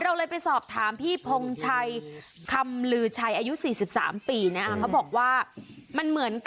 เรายังไปสอบถามพี่พงชัยคำลือชัยอายุ๔๓ปีนะ